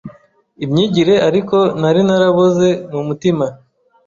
imyigire ariko nari naraboze mu mutima